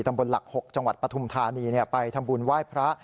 ตำบลหลัก๖จังหวัดปฐุมธานีไปทำบุญไหว้พระ